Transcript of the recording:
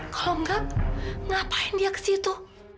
kalau enggak ngapain dia ke situ